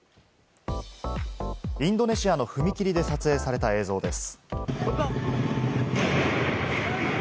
インドネシアの踏切で撮影された映像です。